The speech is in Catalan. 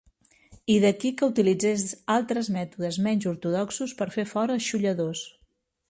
I d’aquí, que utilitzés altres mètodes menys ortodoxos per fer fora als xolladors.